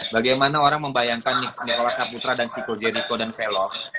bagaimana orang membayangkan nicola saputra dan cicco jericho dan velo